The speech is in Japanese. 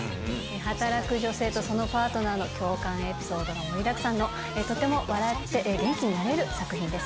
働く女性とそのパートナーのエピソードが盛りだくさんのとっても笑って元気になれる作品です。